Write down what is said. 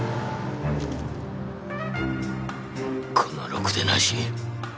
このろくでなし！